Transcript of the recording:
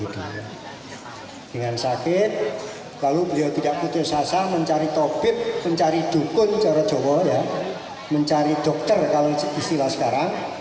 dengan sakit lalu beliau tidak putus asa mencari topik mencari dukun cara joho ya mencari dokter kalau istilah sekarang